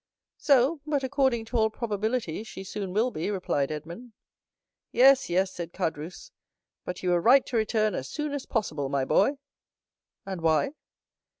"No, but according to all probability she soon will be," replied Edmond. "Yes—yes," said Caderousse; "but you were right to return as soon as possible, my boy." "And why?"